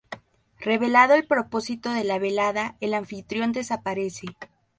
Revelado el propósito de la velada el anfitrión desaparece.